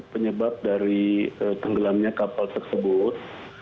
penyebab dari tenggelamnya kapal tersebut